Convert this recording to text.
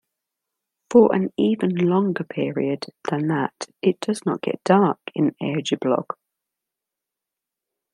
For an even longer period than that it does not get dark in Arjeplog.